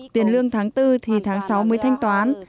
tiền lương tháng bốn thì tháng sáu mới thanh toán